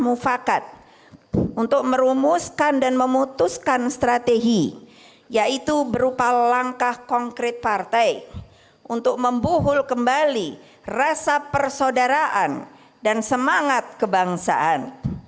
bukan sekadar memenuhi aspek kepatuhan atas prosedur normal teknokratis